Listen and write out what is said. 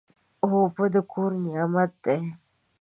اوبه د کور نعمت دی.